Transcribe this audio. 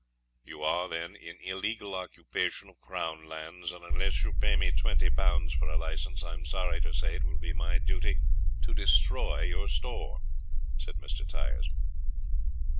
"You are, then, in illegal occupation of Crown lands, and unless you pay me twenty pounds for a license I am sorry to say it will be my duty to destroy your store," said Mr. Tyers.